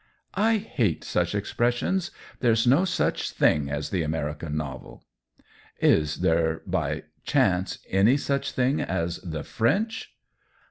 " I hate such expressions ; there's no such thing as the American novel." "Is there by chance any such thing as the French